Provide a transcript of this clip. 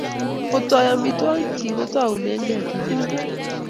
kotoi amitwogik chik kotaune kee glasit